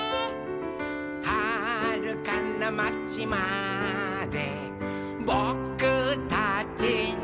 「はるかなまちまでぼくたちの」